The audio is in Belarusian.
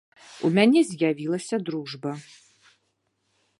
У мяне з'явілася дружба.